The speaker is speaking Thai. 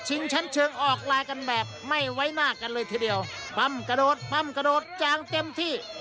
ชั้นเชิงออกไลน์กันแบบไม่ไว้หน้ากันเลยทีเดียวปั้มกระโดดปั้มกระโดดจางเต็มที่